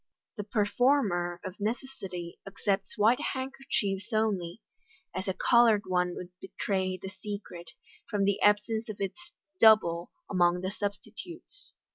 The performer, of necessity, accepts white handkerchiefs only, as a coloured one would betray the secret, from the absence of its "double" among the substitutes.